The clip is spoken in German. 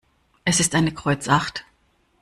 Es ist eine Kreuz acht.